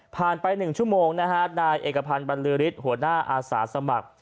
ไป๑ชั่วโมงนะฮะนายเอกพันธ์บรรลือฤทธิ์หัวหน้าอาสาสมัคร